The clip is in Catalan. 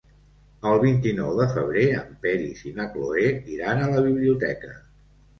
El vint-i-nou de febrer en Peris i na Cloè iran a la biblioteca.